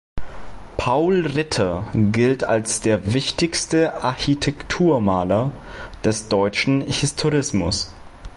Paul Ritter gilt als der wichtigste Architekturmaler des deutschen Historismus.